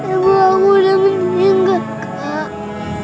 ibu aku udah bingung kak